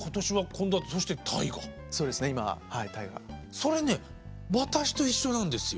それね私と一緒なんですよ。